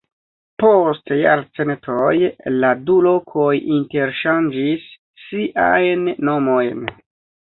Post jarcentoj la du lokoj interŝanĝis siajn nomojn.